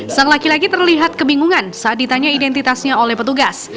sang laki laki terlihat kebingungan saat ditanya identitasnya oleh petugas